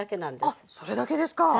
あっそれだけですか。